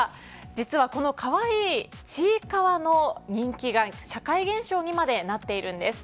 実は、この可愛いちいかわの人気が社会現象にまでなっているんです。